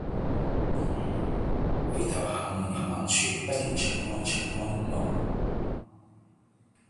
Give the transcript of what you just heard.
回頭下望人寰處，不見長安見塵霧。